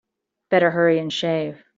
Better hurry and shave.